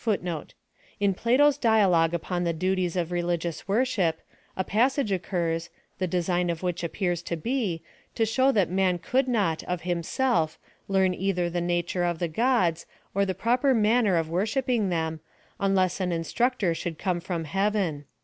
t In Plato's dialogue upon the duties of religious worship, a passage occurs, the design of which appears to be, to show thai man could not, of himself, learn either the nature of tlie gods, or the proper manner of worshipping them, unless an instructor should come from heaven.